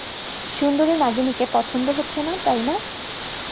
সুন্দরী নাগিনীকে পছন্দ হচ্ছে না, তাই না?